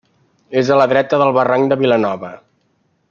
És a la dreta del barranc de Vilanova.